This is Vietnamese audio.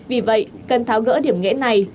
vì vậy cần tháo gỡ điểm nghẽ này